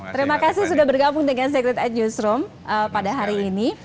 terima kasih sudah bergabung dengan secret at newsroom pada hari ini